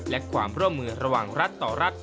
และความร่วมมือระหว่างรัฐต่อรัฐ